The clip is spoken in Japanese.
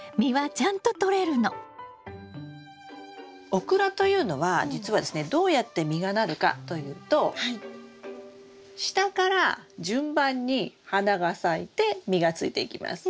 オクラというのはじつはですねどうやって実がなるかというと下から順番に花が咲いて実がついていきます。